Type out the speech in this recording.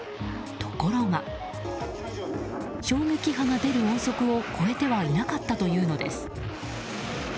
ところが、衝撃波が出る音速を超えてはいなかったというのです。